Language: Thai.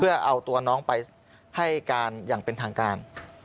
เพื่อเอาตัวน้องไปให้การอย่างเป็นทางการ